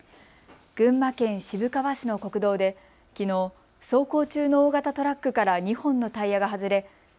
群馬県渋川市の国道できのう走行中の大型トラックから２本のタイヤが外れ